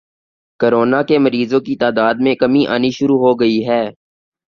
corona کے مریضوں کی تعداد میں کمی آنی شروع ہو گئی ہے